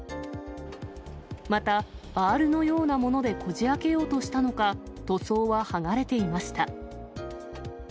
また、バールのようなものでこじあけようとしたのか、塗装は剥がれていました。